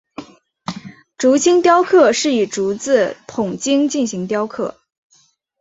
竹青雕刻是以竹子筒茎进行雕刻。